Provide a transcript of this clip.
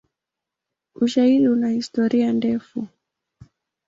Ushairi una historia ndefu.